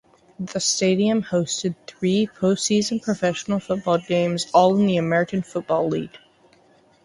The stadium hosted three postseason professional football games, all in the American Football League.